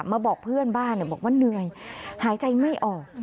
บอกเพื่อนบ้านบอกว่าเหนื่อยหายใจไม่ออก